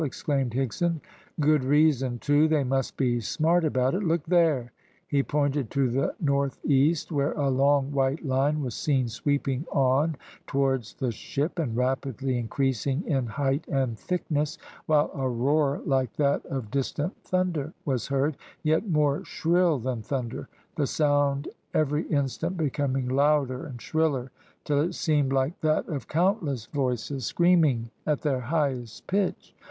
exclaimed Higson. "Good reason, too they must be smart about it. Look there!" He pointed to the north east, where a long, white line was seen sweeping on towards the ship, and rapidly increasing in height and thickness, while a roar like that of distant thunder was heard yet more shrill than thunder the sound every instant becoming louder and shriller, till it seemed like that of countless voices screaming at their highest pitch.